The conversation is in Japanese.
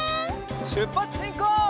しゅっぱつしんこう！